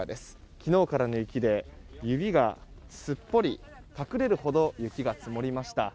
昨日からの雪で指がすっぽり隠れるほど雪が積もりました。